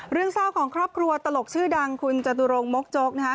เรื่องเศร้าของครอบครัวตลกชื่อดังคุณจตุรงมกโจ๊กนะฮะ